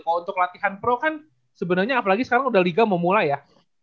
kalau untuk latihan pro kan sebenarnya apalagi sekarang udah liga memulai ya